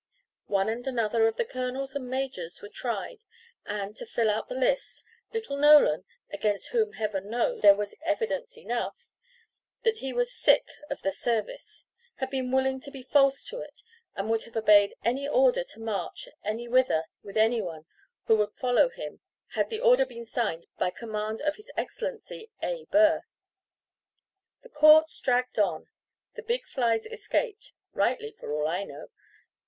One and another of the colonels and majors were tried, and, to fill out the list, little Nolan, against whom, Heaven knows, there was evidence enough that he was sick of the service, had been willing to be false to it, and would have obeyed any order to march any whither with anyone who would follow him had the order been signed, "By command of His Exc. A. Burr." The courts dragged on. The big flies escaped, rightly for all I know.